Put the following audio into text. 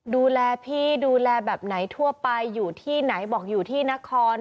ดูแลพี่ดูแลแบบไหนทั่วไปอยู่ที่ไหนบอกอยู่ที่นคร